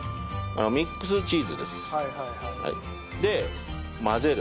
ミックスチーズです。で混ぜる。